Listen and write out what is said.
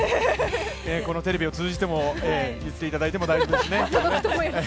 このテレビを通じても言っていただいても大丈夫ですし。